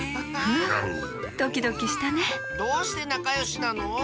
ドキドキしたねどうしてなかよしなの？